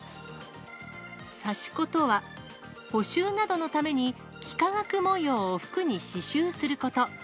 刺し子とは、補修などのために幾何学模様を服に刺しゅうすること。